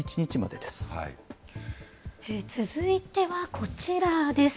続いてはこちらです。